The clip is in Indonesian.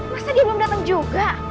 masa dia belum datang juga